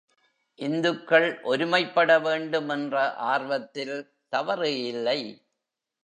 இந்துக்கள் ஒருமைப்பட வேண்டும் என்ற ஆர்வத்தில் தவறு இல்லை.